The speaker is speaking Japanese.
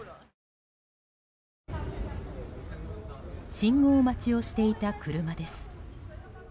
信号待ちをしていた車です。